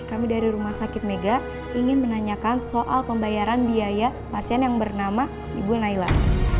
kami dari rumah sakit mega ingin menanyakan soal pembayaran biaya pasien yang bernama ibu naila